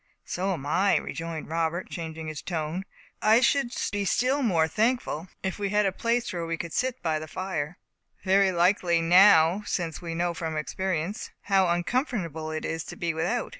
"So am I," rejoined Robert, changing his tone. "But I should be still more thankful if we had a place where we could sit by the fire." "Very likely, now since we know from experience, how uncomfortable it is to be without.